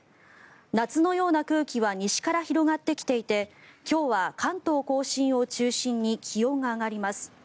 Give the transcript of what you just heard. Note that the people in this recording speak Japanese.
夏のような空気は西から広がってきていて今日は関東・甲信を中心に気温が上がります。